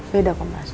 beda kok mas